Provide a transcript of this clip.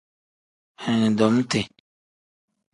Anidomiti.